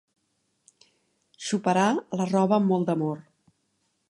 Xoparà la roba amb molt d'amor.